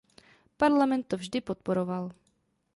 Parlament to vždy podporoval.